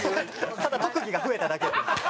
ただ特技が増えただけ。